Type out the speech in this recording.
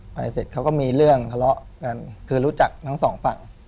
เสร็จเขาก็มีเรื่องทะเลาะกันคือรู้จักทั้งสองฝั่ง